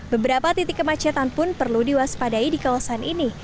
beberapa titik kemacetan pun perlu diwaspadai di kawasan ini